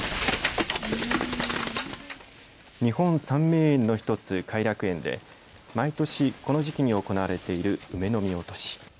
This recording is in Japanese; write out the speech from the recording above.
日本三名園の１つ、偕楽園で毎年この時期に行われている梅の実落とし。